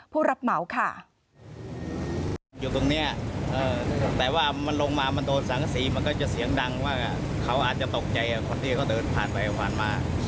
ผู้รับเหมาค่ะ